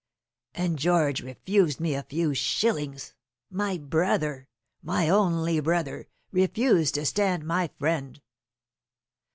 And George refused me a few shillings; my brother, my only brother, refused to stand my friend!"